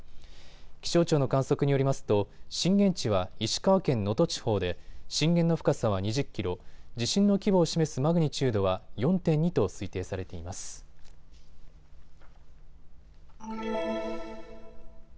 気象庁の観測によりますと震源地は石川県能登地方で震源の深さは２０キロ、地震の規模を示すマグニチュードは４．２と推定されています。